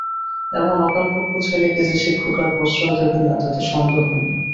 এমন অকালপক্ব ছেলেকে যে শিক্ষকরা প্রশ্রয় দেবেন না তাতে সন্দেহ নেই।